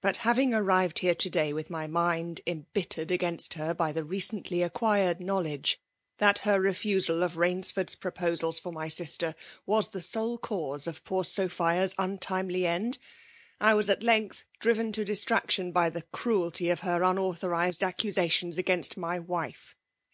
But having arrived here to day with my mind embittered against her by the recently acquired know ledge that her refusal of Bainsford*s proposals for my sister was the sole cause of poor Sophia's untimely end, I was at length driven to distraction by the cruelty of her unautliorized accusations against my wife.